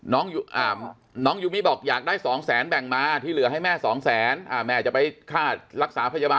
น้องยูมิบอกอยากได้สองแสนแบ่งมาที่เหลือให้แม่สองแสนแม่จะไปค่ารักษาพยาบาล